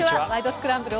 スクランブル」